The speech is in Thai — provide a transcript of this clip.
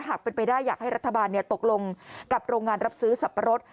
หากเป็นไปได้อยากให้รัฐบาลตกลงกับโรงงานรับซื้อสับปะรด